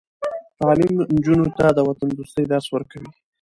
تعلیم نجونو ته د وطندوستۍ درس ورکوي.